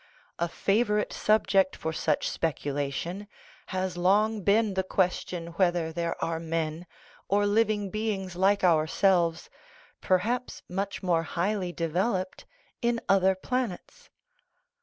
A favor ite subject for such speculation has long been the ques tion whether there are men, or living beings like our selves, perhaps much more highly developed, in other planets?